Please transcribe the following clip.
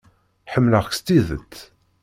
Ḥemmleɣ-k s tidet.